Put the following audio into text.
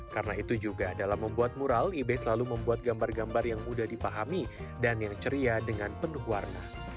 karena itu juga dalam membuat mural ibe selalu membuat gambar gambar yang mudah dipahami dan yang ceria dengan penuh warna